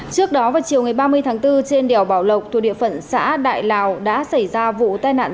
trước đó vào chiều ngày ba mươi tháng bốn trên đèo bảo lộc thuộc địa phận xã đại lào đã xảy ra vụ tai nạn